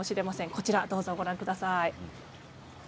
こちらをご覧ください。